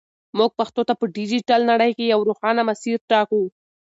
موږ پښتو ته په ډیجیټل نړۍ کې یو روښانه مسیر ټاکو.